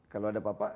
kalau ada apa apa